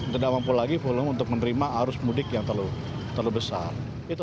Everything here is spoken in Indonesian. tidak mampu lagi volume untuk menerima arus mudik yang terlalu besar